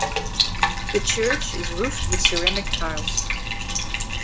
The church is roofed with ceramic tiles.